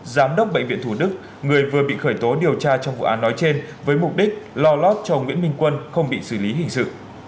giám đốc bệnh viện thủ đức người vừa bị khởi tố điều tra trong vụ án nói trên với mục đích lo lót cho nguyễn minh quân không bị xử lý hình sự